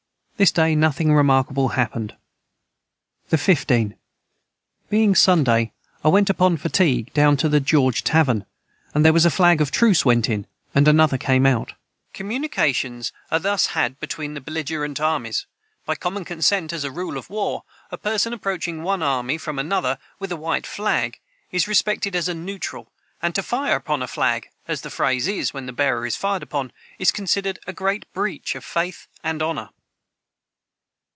This day nothing remarkable hapned. the 15. Being Sunday I went upon fatigue down to the george tavern and their was a flag of truce went in and another came out. [Footnote 169: Communications are thus had between belligerent armies. By common consent, as a rule of war, a person approaching one army from another, with a white flag, is respected as a neutral; and to "fire upon a flag," as the phrase is when the bearer is fired upon, is considered a great breach of faith and honor.